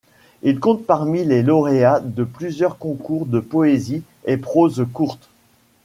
Il compte parmi les lauréats de plusieurs concours de poésie et prose courte.